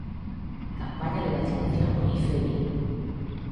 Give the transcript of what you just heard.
Campaña de vacinación no Ifevi.